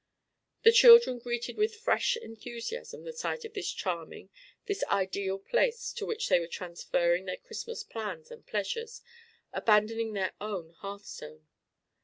The children greeted with fresh enthusiasm the sight of this charming, this ideal place to which they were transferring their Christmas plans and pleasures abandoning their own hearthstone.